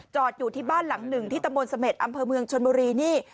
อยู่ที่บ้านหลังหนึ่งที่ตำบลเสม็ดอำเภอเมืองชนบุรีนี่